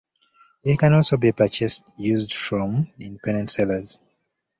It can also be purchased used from independent sellers.